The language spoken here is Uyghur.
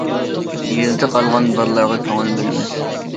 يېزىدا قالغان بالىلارغا كۆڭۈل بۆلىمىز.